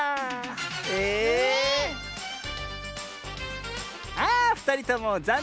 ええっ⁉あふたりともざんねん。